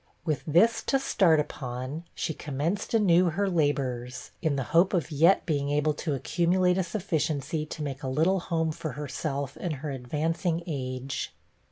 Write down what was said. With this to start upon, she commenced anew her labors, in the hope of yet being able to accumulate a sufficiency to make a little home for herself, in her advancing age.